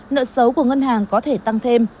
nợ xấu của ngân hàng có thể tăng thêm